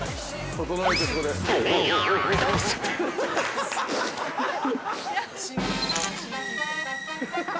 ◆整えて、そこで、ドン。